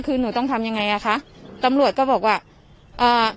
คือหนูต้องทำยังไงอ่ะคะตำรวจก็บอกว่าอ่า